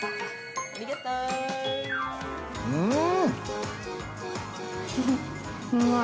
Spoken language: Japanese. うん！